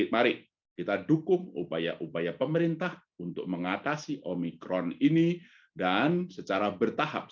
mari kita dukung upaya upaya pemerintah untuk mengatasi omikron ini dan secara bertahap